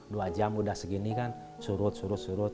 dua jam udah segini kan surut surut surut